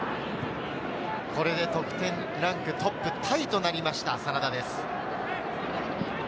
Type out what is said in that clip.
これで得点ランクトップタイとなりました、真田です。